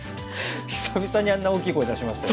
久々にあんな大きい声出しました。